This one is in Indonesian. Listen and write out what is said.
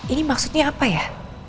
ini maksudnya apa ya